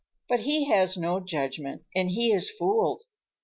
But he has no judgment, and he is fooled."